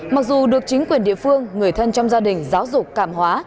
mặc dù được chính quyền địa phương người thân trong gia đình giáo dục cảm hóa